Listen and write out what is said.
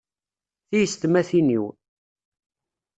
Tiyessetmatin-iw